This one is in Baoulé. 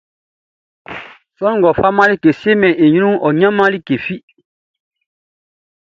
Sran ngʼɔ faman like fi siemɛn i ɲrunʼn, ɔ ɲanman like fi.